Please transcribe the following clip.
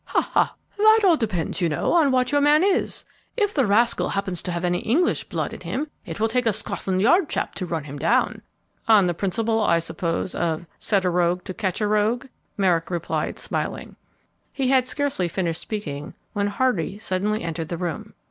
"Ha, ha! That all depends, you know, on what your man is. If the rascal happens to have any English blood in him, it will take a Scotland Yard chap to run him down." "On the principle, I suppose, of 'set a rogue to catch a rogue,'" Merrick replied, smiling. He bad scarcely finished speaking when Hardy suddenly entered the room.